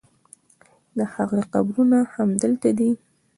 د هغوی قبرونه همدلته دي.